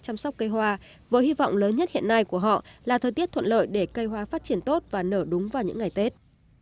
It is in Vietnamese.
chăm sóc cây hoa với hy vọng lớn nhất hiện nay của họ là thời tiết thuận lợi để cây hoa phát triển tốt và nở đúng vào những ngày tết